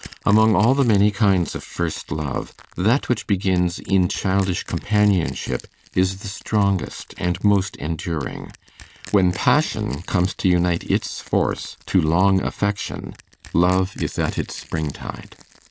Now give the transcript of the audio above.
Among all the many kinds of first love, that which begins in childish companionship is the strongest and most enduring: when passion comes to unite its force to long affection, love is at its spring tide.